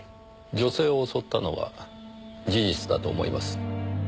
女性を襲ったのは事実だと思います。